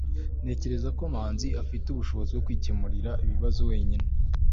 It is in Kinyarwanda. ntekereza ko manzi afite ubushobozi bwo kwikemurira ibibazo wenyine